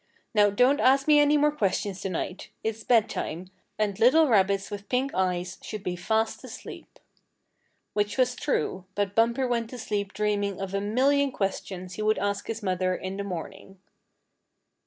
Now don't ask me any more questions to night. It's bed time, and little rabbits with pink eyes should be fast asleep." Which was true, but Bumper went to sleep dreaming of a million questions he would ask his mother in the morning.